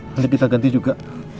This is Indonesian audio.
nanti kita ganti juga